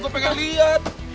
oh gue pengen liat